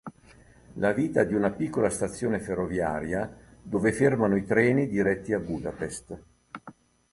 La vita di una piccola stazione ferroviaria dove fermano i treni diretti a Budapest.